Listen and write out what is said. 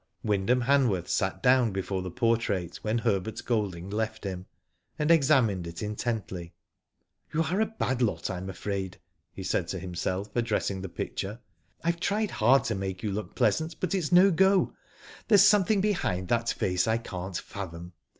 Wyndham Hanworth sat down before the portrait when Herbert Golding left him, and examined it intently. ''You are a bad lot Fm afraid;" he said to him self, addressing the picture. "Fve tried hard to Digitized byGoogk THE PORTRAIT. 199 i)[>ake yoti look pleasant, but it's no go. There's something behind that face I can't fathom.